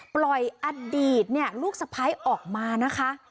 ปล่อยอดีตรูกสไพซออกมานะคะ